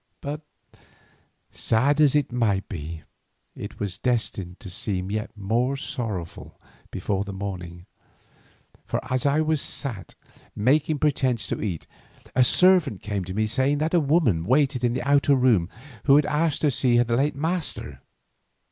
But sad as it might be, it was destined to seem yet more sorrowful before the morning. For as I sat making pretence to eat, a servant came to me saying that a woman waited in the outer room who had asked to see his late master.